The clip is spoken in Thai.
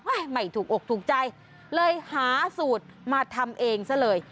ไม่ถูกอกถูกใจเลยหาสูตรมาทำเองซะเลย